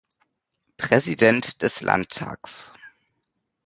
Präsident des Landtags.